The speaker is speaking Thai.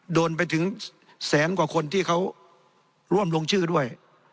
โดนไปถึงแสนกว่าคนที่เขาร่วมลงชื่อด้วย